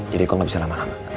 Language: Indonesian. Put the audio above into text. jadi kau gak bisa lama lama ya